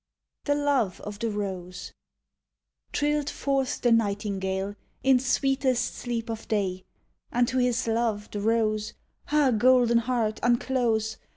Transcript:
THE LOVE OF THE ROSE Trilled forth the Nightingale In sweetest sleep of day Unto his love, the rose, Ah golden heart, unclose!